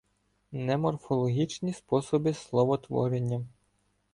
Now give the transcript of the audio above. Неморфологічні способи словотворення